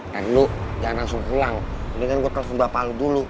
kan lu jangan langsung pulang mendingan gue telepon bapak lu dulu